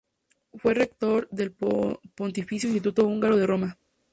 Fue rector del Pontificio Instituto Húngaro de Roma.